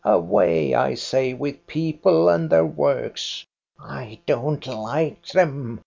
Away, I say, with people and their works ! I don't like them.